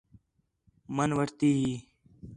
من وٹھتی ہَئی